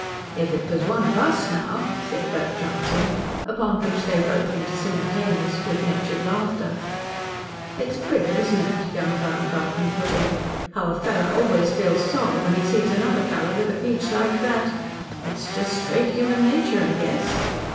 "If it was one of US, now," said Bert Johnson. Upon which they broke into simultaneous good natured laughter. "It's queer, isn't it," young Baumgarten put in, "how a fellow always feels sore when he sees another fellow with a peach like that? It's just straight human nature, I guess."